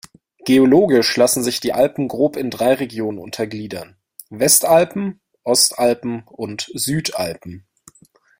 Geologisch lassen sich die Alpen grob in drei Regionen untergliedern: "Westalpen", "Ostalpen" und "Südalpen".